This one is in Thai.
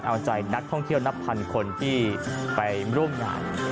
เอาใจนักท่องเที่ยวนับพันคนที่ไปร่วมงาน